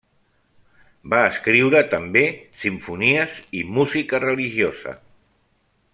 Va escriure també simfonies i música religiosa.